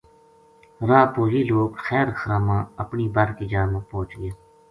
راہ پو یہ لوک خیر خرام اپنی بر کی جا پو پوہچ گیا